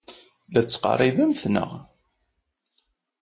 La d-tettqerribemt, naɣ?